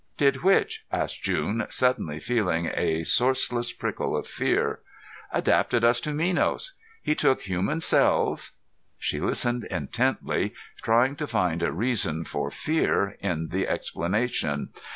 '" "Did which?" asked June, suddenly feeling a sourceless prickle of fear. "Adapted us to Minos. He took human cells "She listened intently, trying to find a reason for fear in the explanation.